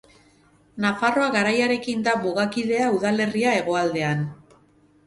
Nafarroa Garaiarekin da mugakidea udalerria hegoaldean.